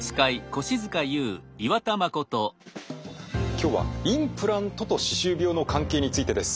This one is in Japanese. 今日はインプラントと歯周病の関係についてです。